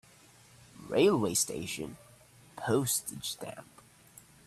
Railway station Postage stamp